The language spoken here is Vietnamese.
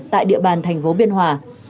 tại địa bàn thành phố biên hòa